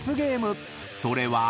［それは］